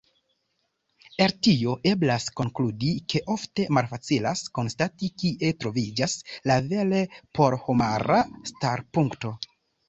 El tio eblas konkludi, ke ofte malfacilas konstati, kie troviĝas la vere porhomara starpunkto.